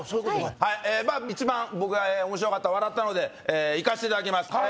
はいまあ一番僕が面白かった笑ったのでいかせていただきますえ